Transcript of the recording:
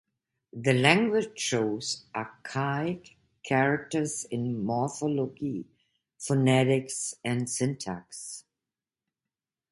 The language shows archaic characters in morphology, phonetics and syntax.